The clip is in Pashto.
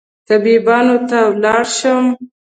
طبيبانو ته ولاړ شم